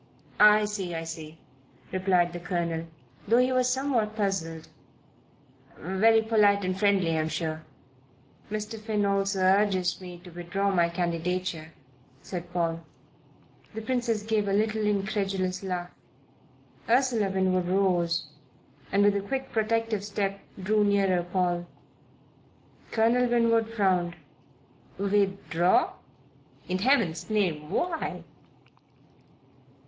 "I see, I see," replied the Colonel, though he was somewhat puzzled. "Very polite and friendly, I'm sure." "Mr. Finn also urges me to withdraw my candidature," said Paul. The Princess gave a little incredulous laugh. Ursula Winwood rose and, with a quick protective step, drew nearer Paul. Colonel Winwood frowned. "Withdraw? In Heaven's name why?"